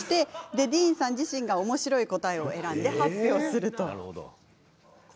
ディーンさん自身がおもしろい答えを選んで発表します。